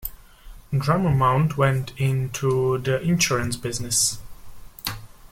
Drummer Mount went into the insurance business.